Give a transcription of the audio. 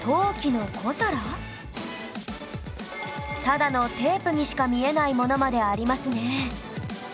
ただのテープにしか見えないものまでありますね